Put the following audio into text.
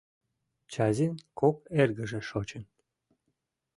Чазин кок эргыже шочын.